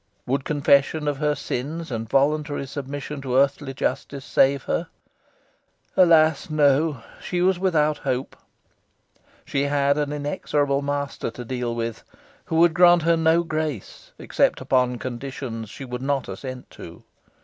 Would confession of her sins and voluntary submission to earthly justice save her? Alas! no. She was without hope. She had an inexorable master to deal with, who would grant her no grace, except upon conditions she would not assent to.